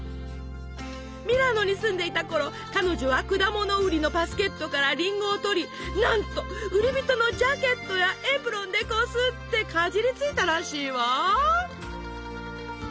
ミラノに住んでいたころ彼女は果物売りのバスケットからりんごをとりなんと売り人のジャケットやエプロンでこすってかじりついたらしいわ！